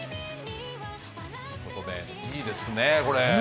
いいですね、これね。